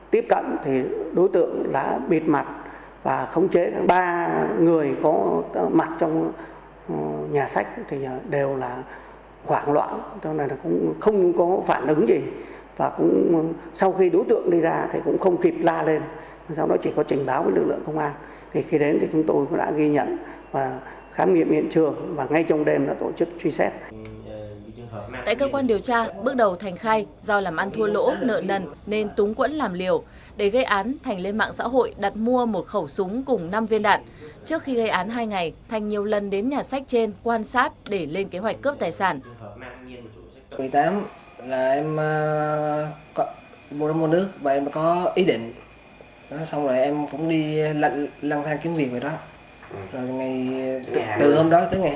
tiếp theo là những thông tin về truy nã tội phạm